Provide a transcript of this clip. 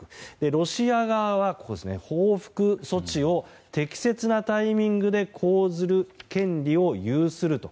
ロシア側は報復措置を適切なタイミングで講ずる権利を有すると。